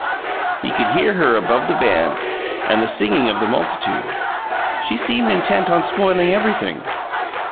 He could hear her above the band and the singing of the multitude; she seemed intent on spoiling everything.